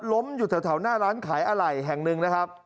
ล้มอยู่แถวหน้าร้านขายอะไหล่แห่งหนึ่งนะครับ